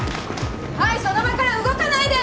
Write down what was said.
はいその場から動かないで！